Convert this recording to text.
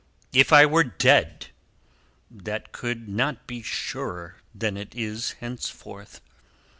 If I were dead, that could not be surer than it is henceforth.